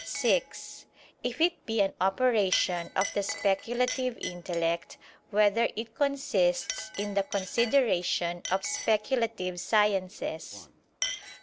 (6) If it be an operation of the speculative intellect, whether it consists in the consideration of speculative sciences?